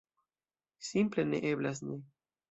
Simple ne eblas ne.